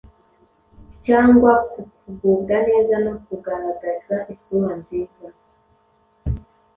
cyangwa ku kugubwa neza no kugaragaza isura nziza.